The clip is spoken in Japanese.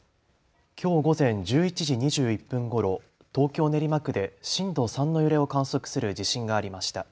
きょう午前１１時２１分ごろ、東京練馬区で震度３の揺れを観測する地震がありました。